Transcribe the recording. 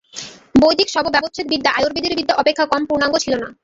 বৈদিক শব-ব্যবচ্ছেদ-বিদ্যা আয়ুর্বেদীয় বিদ্যা অপেক্ষা কম পূর্ণাঙ্গ ছিল না।